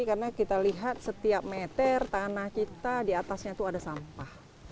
karena kita lihat setiap meter tanah kita di atasnya itu ada sampah